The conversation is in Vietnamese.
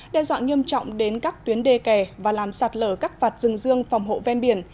đe dọa nghiêm trọng đến các tuyến đê kè và làm sạt lở các vạt rừng dương phòng hộ ven biển